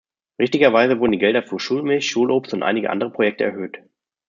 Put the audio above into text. Richtigerweise wurden die Gelder für Schulmilch, Schulobst und einige andere Projekte erhöht.